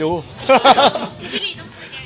ก็ไม่ขนาดนั้นฮะ